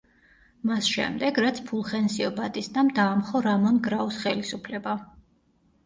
მას შემდეგ, რაც ფულხენსიო ბატისტამ დაამხო რამონ გრაუს ხელისუფლება.